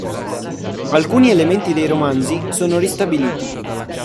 Alcuni elementi dei romanzi sono ristabiliti.